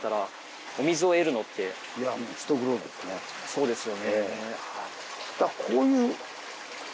そうですよね。